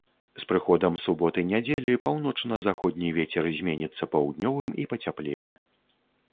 З прыходам суботы-нядзелі паўночна-заходні вецер зменіцца паўднёвым і пацяплее.